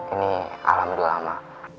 ini alhamdulillah ma